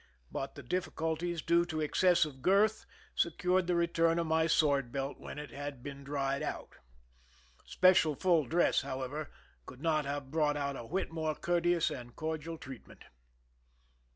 But the difficulties due to excess of girth secured the return of my sword belt when it had been dried out. Special full dress, however, could not have brought out a whit more courteous and cordial treatment.